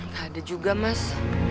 gak ada juga mas